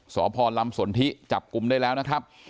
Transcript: สพลำสนทิจับกลุ่มได้แล้วนะครับ